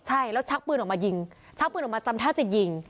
ใช่แล้วชักปืนออกมายิงชักปืนออกมาจำท่าจะยิง